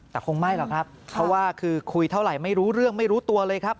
แต่คงไม่หรอกครับเพราะว่าคือคุยเท่าไหร่ไม่รู้เรื่องไม่รู้ตัวเลยครับ